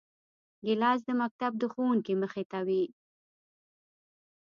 ګیلاس د مکتب د ښوونکي مخې ته وي.